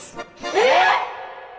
えっ！